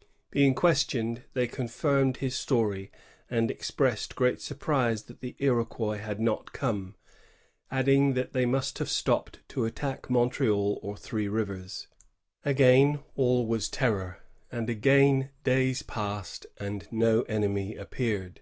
^ Being questioned, they con firmed his story, and expressed great surprise that the Iroquois had not come, addmg that they must have stopped to attack Montreal or Three Rivers. Again aU was tenor, and again days passed and no enemy appeared.